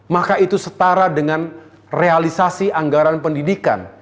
maka itu setara dengan realisasi anggaran pendidikan